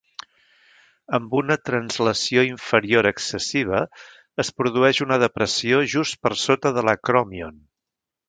Amb una translació inferior excessiva, es produeix una depressió just per sota de l'acròmion.